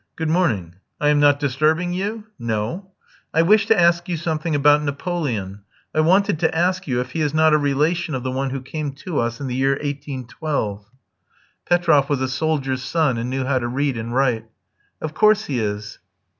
"Good morning." "I am not disturbing you?" "No." "I wish to ask you something about Napoleon. I wanted to ask you if he is not a relation of the one who came to us in the year 1812." Petroff was a soldier's son, and knew how to read and write. "Of course he is."